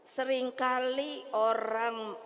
seringkali orang menyebutnya